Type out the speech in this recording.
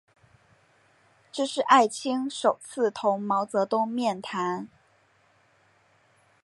这是艾青首次同毛泽东面谈。